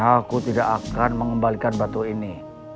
aku tidak akan mengembalikan batu ini